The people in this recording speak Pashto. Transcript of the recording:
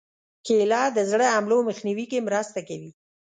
کېله د زړه حملو مخنیوي کې مرسته کوي.